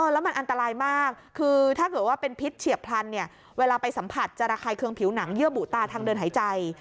แล้วมันอันตรายมากคือถ้าเกิดว่าเป็นพิษเฉียบพลันเนี่ยเวลาไปสัมผัสจะระคายเครื่องผิวหนังเยื่อบุตาทางเดินหายใจ